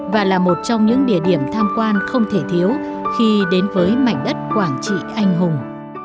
và là một trong những địa điểm tham quan không thể thiếu khi đến với mảnh đất quảng trị anh hùng